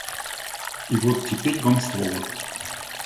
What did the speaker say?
И вот теперь вам слово.